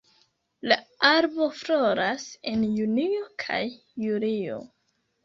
La arbo floras en junio kaj julio.